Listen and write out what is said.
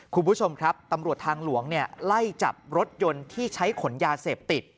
คุณผู้ชมครับตำรวจทางหลวงไล่จับรถยนต์ที่ใช้ขนยาเสพติด